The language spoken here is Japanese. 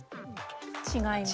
違います。